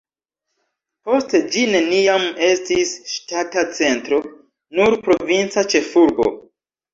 Poste ĝi neniam estis ŝtata centro, nur provinca ĉefurbo.